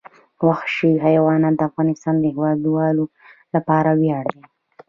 وحشي حیوانات د افغانستان د هیوادوالو لپاره ویاړ دی.